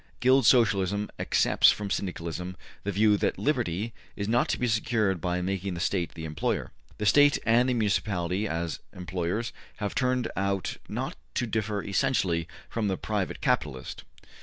'' Guild Socialism accepts from Syndicalism the view that liberty is not to be secured by making the State the employer: ``The State and the Municipality as employers have turned out not to differ essentially from the private capitalist.''